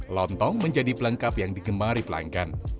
lontong menjadi pelengkap yang digemari pelanggan